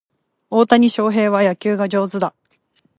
大谷翔平は野球が上手だ